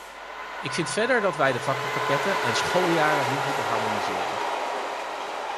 Ik vind verder dat wij de vakkenpakketten en schooljaren niet moeten harmoniseren.